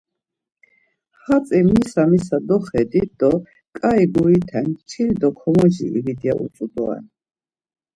Hatzi misa misa doxedit do ǩai gurite çil do komoci ivit ya utzu doren.